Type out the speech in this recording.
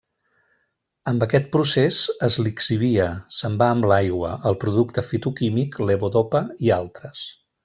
Amb aquest procés es lixivia, se'n va amb l'aigua, el producte fitoquímic levodopa i altres.